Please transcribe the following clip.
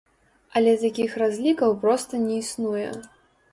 Але такіх разлікаў проста не існуе.